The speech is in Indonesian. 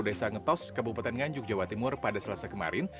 desa ngetos kabupaten nganjuk jawa timur pada selasa kemarin